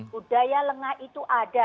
budaya lengah itu ada